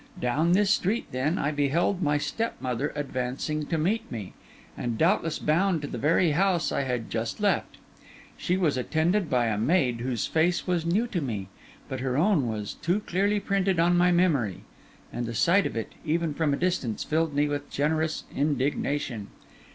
Down this street, then, I beheld my stepmother advancing to meet me, and doubtless bound to the very house I had just left. She was attended by a maid whose face was new to me, but her own was too clearly printed on my memory; and the sight of it, even from a distance, filled me with generous indignation.